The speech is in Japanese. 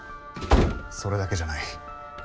それだけじゃない。